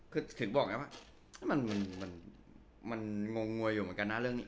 คือถึงบอกไงว่ามันงงงวยอยู่เหมือนกันนะเรื่องนี้